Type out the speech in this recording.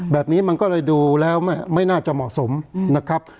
แบบนี้มันก็เลยดูแล้วไม่น่าจะเหมาะสมนะครับ